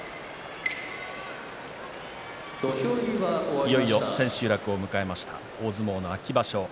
いよいよ千秋楽を迎えました大相撲の秋場所。